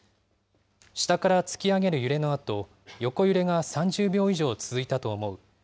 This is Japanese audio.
下から突き上げる揺れのあと、横揺れが３０秒以上続いたと思う。